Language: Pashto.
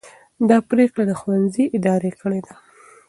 دا پرېکړه د ښوونځي ادارې کړې ده.